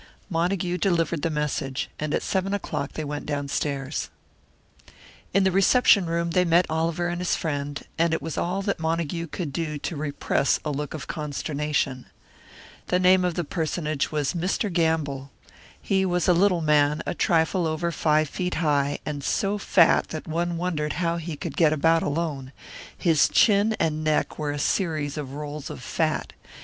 Montague delivered the message, and at seven o'clock they went downstairs. In the reception room they met Oliver and his friend, and it was all that Montague could do to repress a look of consternation. The name of the personage was Mr. Gamble. He was a little man, a trifle over five feet high, and so fat that one wondered how he could get about alone; his chin and neck were a series of rolls of fat.